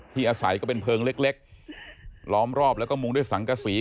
อาศัยก็เป็นเพลิงเล็กล้อมรอบแล้วก็มุงด้วยสังกษี